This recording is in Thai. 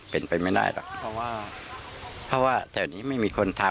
เป็นไปไม่ได้หรอกเพราะว่าเพราะว่าแถวนี้ไม่มีคนทำ